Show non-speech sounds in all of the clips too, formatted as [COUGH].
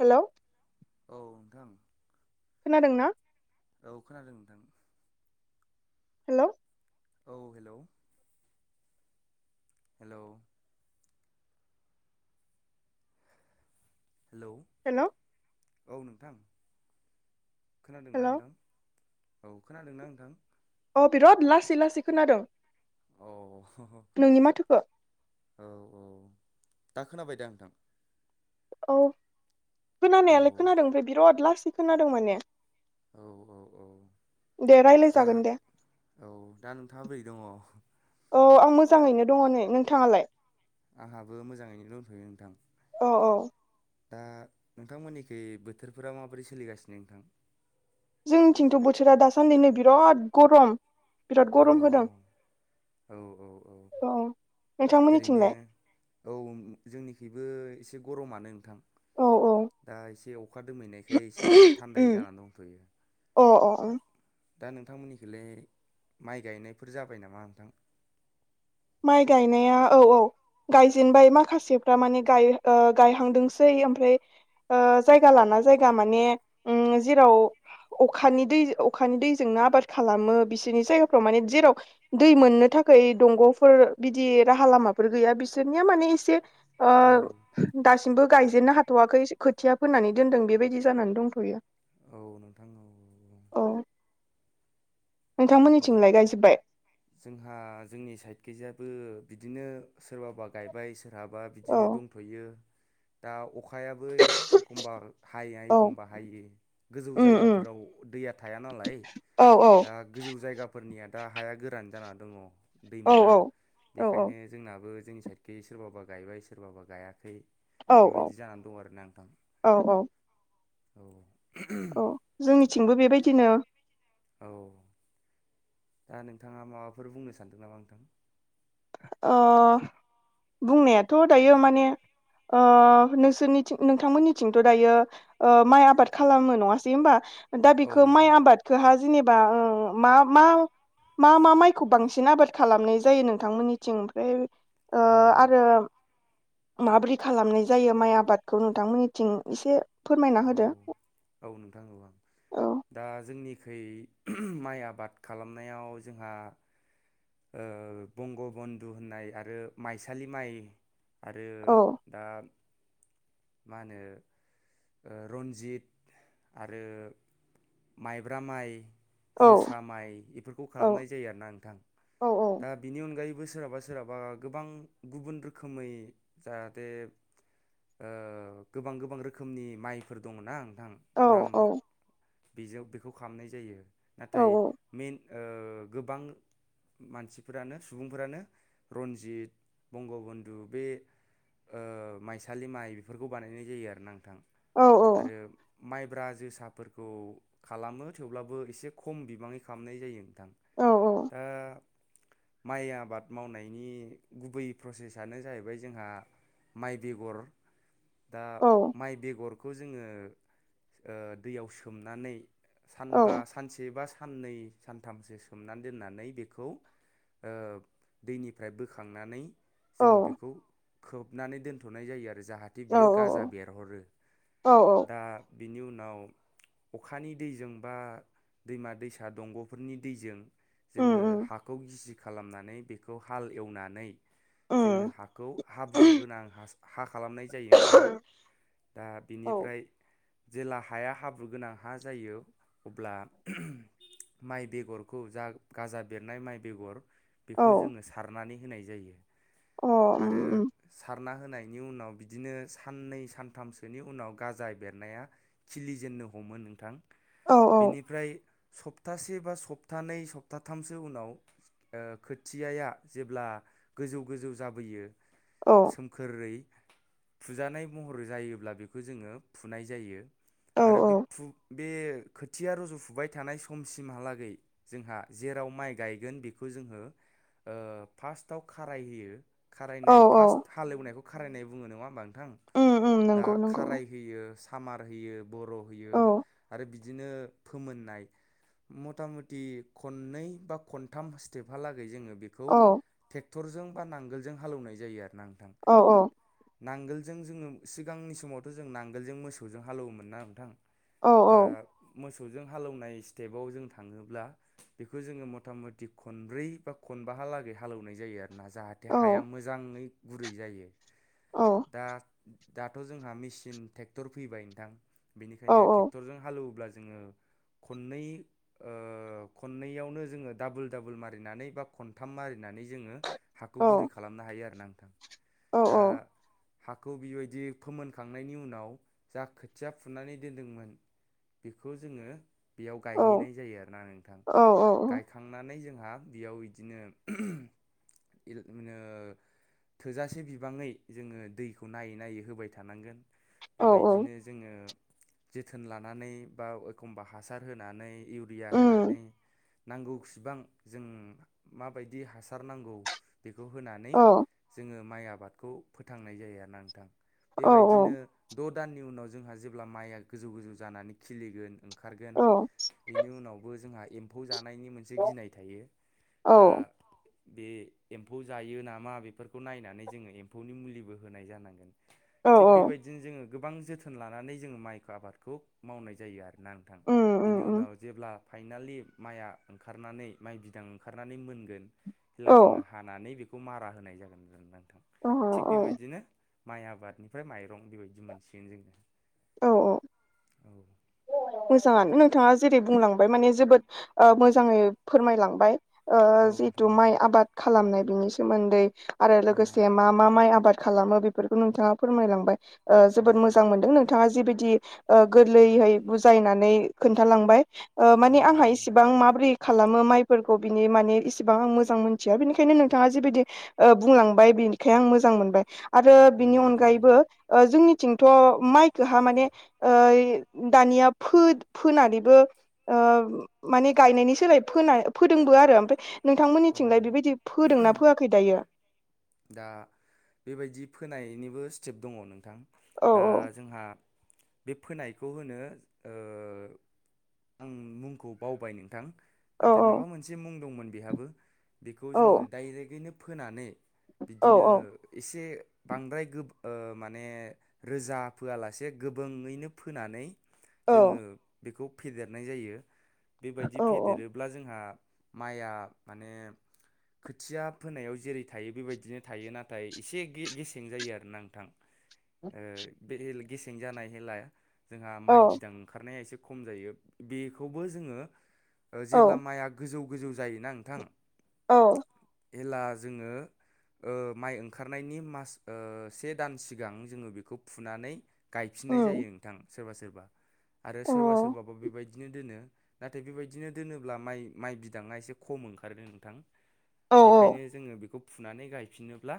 Hello. औ नोंथां। खोनादोंना? औ खोनादों नोंथां। हेलौ। औ हेलौ। हेलौ। हेलौ, हेलौ औ नोंथां खोनादोंना हेलौ नोंथां? औ, खोनादोंना नोंथां? अ बिराद लासै लासै खोनादों औ। नोंनि माथोखो। औ औ, दा खोनाबाय दा नोंथां? औ औ खोनानायालाय खोनादों ओमफाय बिराद लासै खोनादों माने। औ औ औ दे दा रायलायजागोन दे औ दा नोंथाङा बोरै दङ? औ आं मोजाङैनो दङ नै। नोंथाङालाय? आंहाबो मोजाङैनो दोनथ'यो नोंथां। अ औ। दा नोंथांमोननिखै बोथोरफोरा माबोरै सोलिगासिनो नोंथां? जोंनिथिंथ' बोथोरा दासान्दि नै बिराद गरम बिराद औ गरम होदों। औ औ औ। ओरैनो नोंथांमोननिथिंलाय औ जोंनिखैबो इसे गरमानो नोंथां। औ औ दा इसे अखा दोमैनायखाय इसे थान्दायै जानानै दंथ'यो दा ओं दा नोंथांमोननिखैलाय माइ गायनायफोर जाबाय नामा नोंथां? माइ गायनाया औ औ गायजेनबाय माखासेफ्रा माने गाय ओ गायहांदोंसै आमफ्राय ओ जायगा लाना जायगा माने ओम जेराव अखानि दै अखानि दैजोंनो आबाद खालामो बिसोरनि जायगाफ्राव माने जेराव दै मोननो था खाय दंग' फोर बिदि राहा लामाफोर गैया बिसोरनिया माने इसे ओ औ दास सिमबो गायजेननो हाथ'वाखै खोथिया फोनानै दोनदों बेबायदि जानानै दंथ'यो औ ओम ओमफ्राय नोंथांमोननिथिंलाय गायजोब्बाय जोंहा जोंनि साइड खैजा बो बिदिनो सोरबाबा गायबाय सोरहाबा औ बिदिनो दंथ'यो दा अख खायाबो ए एखमबा हाया औ एखमबा हायो गोजौ उम उम जायगाफोराव दैया थाया ना लाय औ औ जायगाफोरनिया दा हाया गोरान जाना दङ दै औ मोना औ औ बेखायनो जोंनाबो जोंनि साइडखै सोरबाबा गायबाय सोरबाबा गायाखै औ औ बेबायदि जानानै दं आरोना नोंथां औ औ औ औ जोंनिथिंबो बेबायदिनो औ दा नोंथाङा माबाफोर बुंनो सानदों नामा नोंथां ओ बुंनायाथ' दायो माने ओ नोंसोरनिथिं नोंथांमोननिथिंथ' दायो माइ आबाद खालामो नङासै होमबा दा औ बेखौ माइ नोंथां आबादखोहा जेनेबा ओ मा मा मा मा माइखौ बांसिन आबाद खालामनाय जायो नों थांमोननिथिं फ्राय औ आरो। माबोरै खालामनाय जायो माइ आबादखौ नोंथांमोननिथिं इसे। औ औ नोंथां आं औ दा जोंनि। खै माइ आबाद खालामनायाव जोंहा। ओ बंगबन्धु होननाय आरो माइसालि माइ। आरो औ दा मा होनो। ओ रन्जित आरो माइब्रा माइ। औ जोसा माइ बेफोरखौ खालामनाय जायो आरोना नोंथां औ दा बिनि अनगायै। बो सोरहाबा सोरहाबा गोबां गुबुन रोखोमै जाहाथे। ओ गोबां गोबां रोखोमनि माइफोर दं ना। औ औ। बेजों बेखौ खालामनाय जायो औ नाथाय मेन ओ गोबां। मानसिफोरानो सुबुंफोरानो रन्जित बंगबन्धु बे। ओ माइसालि माइ बेफोरखौ बानायनाय जायो आरो ना नोंथां। औ आरो माइब्रा जोसाफोरखौ खालामो थेवब्लाबो एसे खम बिबाङै खालामनाय जायो। दा। औ माइ आबाद मावनायनि गुबै प्रसेसनो जाहैबाय जोंहा। माइ बेगर। दा औ माइ बेगरखौ जोङो ओ दैयाव सोमनानै। सानबा औ सानसे बा साननै सानथामसो सोमनानै दोननानै बेखौ। ओ दैनिफ्राय बोखांनानै। जोङो बेखौ खोबनानै दोनथ'नाय जायो आरो जाहाथे औ बियो गाजा बेरहरो। औ औ। दा बिनि उनाव अखानि दैजोंबा दैमा दैसा दंग'फोरनि दैजों। उम जोङो उम हाखौ गिसि खालामनानै बेखौ हाल एवनानै। जोङो उम हाखौ हाब्रु होनां हास-हा। खालामनाय जायो नोंथां दा औ बिनिफ्राय। जेला हाया हाब्रु गोनां हा जायो अब्ला। माइ बेगरखौ जा गाजा बेरनाय माइ बेगर। औ बेखौ जोङो सारनानै होनाय जायो अ उम आरो उम सार। ना होनायनि उनाव बिदिनो साननै सान। थामसोनि उनाव गाजा बेरनाया खिलिजेननो हमो नोंथां। औ बेनिफ्राय सप्तासे बा सप्तानै सप्ताथामसो उनाव। ओ खोथियाया जेब्ला गोजौ गोजौ जाबोयो। औ सोमखोरै फुजानाय महर। फोर जायोब्ला बेखौ जोङो फुनाय जायो औ आरो बे औ फुं। बे खोथिया रजुफुबाय थानाय समसिमहालागै जोंहा जेराव माइ गायगोन बेखौ। जोङो ओ फार्स्टआव खाराय होयो। औ खारायनाय औ फार्स्ट हालएवनायखौ खारायनाय बुङो नङा होमबा नोंथां। उम उम दा नंगौ नंगौ खाराय होयो सामार होयो बर' होयो औ आरो बि। दिनो फोमोननाय। मथा मथि खननै बा खनथाम स्टेपहालागै जोङो। बेखौ औ ट्रेक्टरजों बा नांगोलजों हालौनाय जायो आरोना नोंथां। औ नांगोलजों जोङो सिगांनि समावथ' जों नांगोलजों मोसौजों हालौवोमोन ना नोंथां। औ दा मोसौ। सौ जों हालौनाय स्टेबआव जों थाङोब्ला बे जों मथा मथि खनब्रै बा खनबा। हालागै हालएवनाय जायो आरो। ना जाहाथे औ हाया मोजाङै गुरै जायो औ दा। दाथ' जोंहा मेसिन ट्रेक्ट'र फैबाय नोंथां औ बेनिखायनो ट्रेक्ट'रजों हालोवोब्ला जोङो खननै ओ खननैयावनो जोङो डाबोल डाबोल मारिनानै बा खनथाम मारिनानै जोङो हाखौ गुरै खालामनो हायो आरो ना औ औ। खौ बिबायदि फोमोनखांनायनि उनाव जा खोथिया फुनानै दोनदोंमोन बेखौ जोङो बेयाव गायहैनाय जायो आरोना नोंथां औ गायखांनानै जों हा बेयाव इदिनो [UNINTELLIGIBLE] थोजासे बिबाङै जोङो दै खौ नायै नायै होबाय थानांगोन औ बेबायदिनो जोङो जोथोन लानानै बा एखमबा हासार होनानै इउरिया उम होनानै नांगौ खुसिबां [UNINTELLIGIBLE] जों माबायदि हासार नांगौ बेखौ होनानै औ जोङो माइ आबादखौ फोथांनाय जायो आरोना नोंथां। औ बेबायदिनो द' दाननि उनाव जोंहा जेब्ला माइया गोजौ गोजौ जानानै खिलिगोन ओंखारगोन बेनि उनावबो जोंहा एम्फौ जानायनि मोनसे गिनाय थायो दा बे एम्फौ जायो नामा बेफोरखौ नायनानै जोङो एम्फौनि मुलिबो होनाय जानांगोन। औ थिग औ बेबायदिनो जोङो गोबां जोथोन लानानै जोङो माइखो आबादखौ मावनाय जायो आरो। ना नोंथां उम उम बिनि उम उनाव जेब्ला फाइनालि माइआ ओंखारनानै माइ बिदां ओंखारनानै मोनगोन अब्ला औ [UNINTELLIGIBLE] जोङो हानानै बेखौ मारा होनाय जागोन आरो नोंथां औ थिग औ बेबायदिनो माइ आबादनिफ्राय माइरं बेबायदि मोनसिगोन जोङो। औ औ औ मोजाङानो नोंथाङा जेरै बुंलांबाय माने जोबोद ओ मोजाङै फोरमायलांबाय ओ औ जिथु नोंथां माइ आबाद खालामनाय बिनि सोमोन्दै आरो औ लोगोसे नोंथां मा मा माइ आबाद खालामो बेफोरखौ नोंथाङा फोरमायलांबाय ओ औ जोबोद मोजां मोनदों नों थाङा जिबायदि ओ गोरलैहै बुजायनानै खोन्थालांबाय ओ औ मानि आंहा नोंथां औ इसिबां माब्रै खालामो माइफोरखौ बिनि माने इसेबां आं मोजां मोनथिया बिनिखायनो नोंथाङा जिबायदि ओ बुंलांबाय बिनिखाय आं मोजां मोनबाय आरो औ बिनि नोंथां औ अनगायैबो ओ जोंनिथिंथ' माइ [UNINTELLIGIBLE] माने दानिया फोनानैबो ओ माने गायनायनि सोलाय फोना फोदोंबो आरो ओमफाय औ नोंथांमोननिथिंलाय बेबायदि फोदोंना फोआखै दायो? दा बेबायदि फोनायनिबो स्टेप दङ' नोंथां औ दा जोंहा बे फोनायखौ होनो ओ आं मुंखौ बावबाय नोंथां। नाथाय माबा मोनसे मुं दंमोन बेहाबो बेखौ औ जोङो डाइरेकयैनो फोनानै औ बिदिनो एसे बांद्राय गोब ओ माने रोजा फोआलासे गोबोंयैनो फोनानै औ जोङो बेखौ फेदेरनाय जायो बेबायदि औ फेदेरोब्ला जोंहा माइआ माने खोथिया फोनायाव जेरै थायो बेबाय दिनो थायो नाथाय एसे गेसें जायो आरोना नोंथां ओ गेसें जानायहायलाय जोंहा औ माइ बिदां ओंखारनाया एसे खम जायो बेखौबो जोङो जेब्ला औ माइआ गोजौ गोजौ जायोना नोंथां औ। हेला जोङो ओ माइ ओंखारनायनि मास से दान सिगां जोङो बेखौ फुनानै गायफिननाय उम जायो नोंथां सोरबा सोरबा आरो सोरबा सोरबाबो बेबायदिनो दोनो। नाथाय बेबायदिनो दोनोब्ला माइ माइ बिदाङा एसे खम ओंखारो नोंथां। अ औ बेखायनो जोङो बेखौ फुनानै गायफिनोब्ला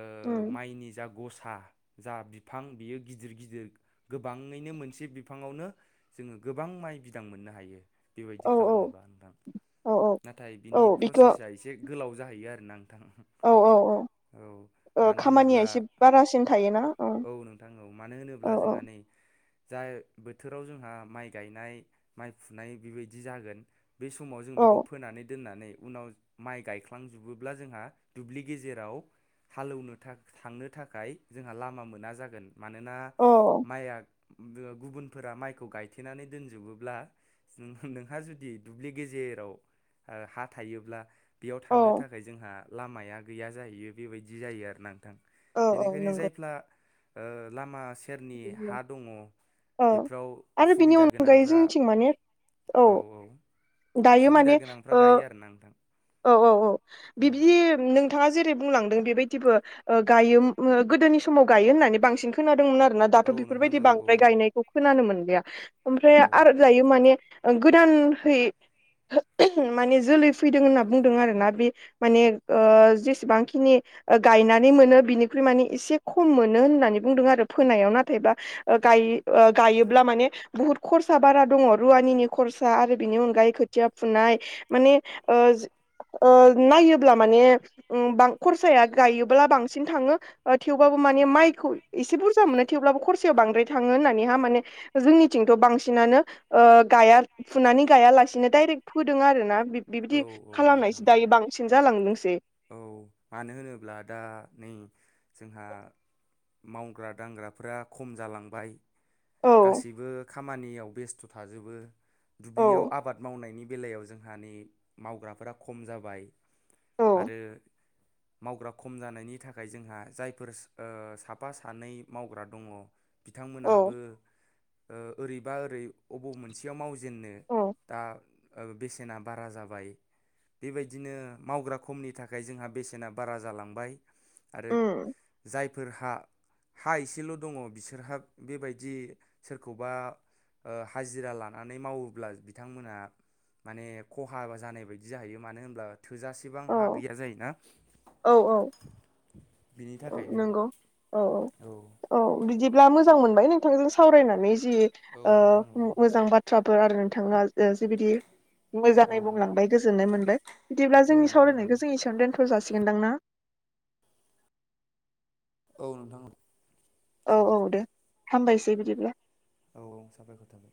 ओ उम माइनि जा गस साहा जा बिफां बियो गिदिर गिदिर गोबाङैनो मोनसे बिफाङावनो जोङो गोबां माइ बिदां मोननो हायो बेबायदि औ खालामोबा नोंथां औ औ नाथाय बिनि औ बेखौ प्रसेसा एसे गोलाव जाहैयो आरोना उहु औ औ औ औ ओ मानो खामानिया होनोब्ला एसे बारासिन थायोना औ नोंथां औ मानो औ होनोब्ला जोंहा औ नै जाय बोथोराव जोंहा माइ गायनाय माइ फुनाय बेबायदि जागोन बे समाव जों औ बेखौ फोनानै दोननानै उनाव माइ गायख्लांजोबोब्ला जोंहा दुब्लि गेजेराव हालेवनो थांनो थाखाय जोंहा लामा मोना जागोन मानोना औ माइआ गुबुनफोरा माइखौ गायथेनानै दोनजोबोब्ला नोंहा जुदि दुब्लि गेजेर जेराव हा थायोब्ला बेयाव औ थांनो थाखाय जोंहा लामाया गैया जाहैयो बेबायदि जायो आरो ना नोंथां औ औ बेनिखायनो नंगौ जायफ्रा लामा सेरनि हा दङ औ बेफोराव आरो बिनि सुबिदा अनगायै गोनांफोरा जोंनिथिं माने औ औ दायो सुबिदा माने गोनांफ्रा ओ गायो आरोना औ औ नोंथां बिबदि नोंथाङा जे बुंलांदों बेबायदिबो ओ गायो गोदोनि समाव गायो होननानै बांसिन खोनादोंमोन आरो। दाथ' औ नोंथां बेफोरबायदि औ बांद्राय गायनायखौ खोनानो मोनलिया ओमफ्राय औ आरो जायो माने गोदान है माने जोलै फैदों होनना बुंदों आरोना बे माने ओ जेसेबांखिनि गायनानै मोनो बिनिख्रुइ मान एसे खम मोनो होननानै बुंदों आरो फोनायाव न नाथायबा गाय गायोब्ला माने बुहुत खरसा बारा दङ रुवानिनि खरसा आरो बि नि अनगायै खोथिया फुनाय माने ओ ओ नायोब्ला माने उ खरसाया गायोब्ला बांसिन थाङो थेवबाबो माने माइखौ एसे बुरजा मोनो थेवब्लाबो खरसेयाव बांद्राय थाङो होननानैहा माने जोंनिथिंथ' बांसिनानो ओ गाया। फुनानै गायालासिनो दडाइरेक्ट फोदों आरोना औ बिबायदि औ नोंथां खालामनायसो औ दायो बांसिन जालांदोंसै। औ मानो होनोब्ला दा नै जोंहा मावग्रा दांग्राफोरा खम जालांबाय औ गासैबो खामानियाव बेस्थ' थाजोबो औ दुब्लियाव आबाद मावनायनि बेलायाव जोंहानि मावग्राफोरा खम जाबाय औ आरो मावग्रा खम जानायनि थाखाय जोंहा जायफोर ओ साफा सानै मावग्रा दङ औ बिथांमोनहाबो ओ ओरैबा ओरै अबाव मोनसेयाव माव जेननो औ दा बेसेना बारा जाबाय बेबायदिनो मावग्रा खमनि थाखाय जोंहा बेसेना बारा जालांबाय आरो उम जायफोर हा हा एसेल' दङ बिसोरहा बेबायदि सोरखौबा ओ हाजिरा लानानै मावोब्ला बिथांमोनहा माने खहा जानाय बायदि जाहैयो मानो होनब्ला थोजासेबां हा गैया जायोना। औ औ बिनि [INAUDIBLE] औ थाखायनो नंगौ [INAUDIBLE] औ औ औ बिदि मोजां मोनबाय नोंथांजों सावरायनानै जि औ ओ नोंथां औ मोजां बाथ्रा ओ आरो नोंथांआ जि बिदि औ मोजाङै बुंलांबाय गोजोननाय मोनबाय। बिदिब्ला औ जोंनि नोंथां औ सावरायनायखौ जों एसेयावनो दोनथ' जासिगोनदां ना? औ नोंथां। औ औ साबायखर दे हामबायसै बिदिब्ला। औ औ साबायखर थाबाय।